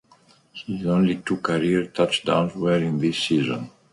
His only two career touchdowns were in this season.